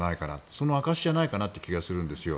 その証しじゃないかという気がするんです。